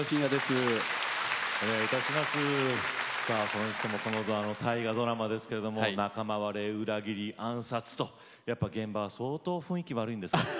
それにしてもこの大河ドラマですけれども仲間割れ、裏切り、暗殺と現場は相当雰囲気、悪いんですか。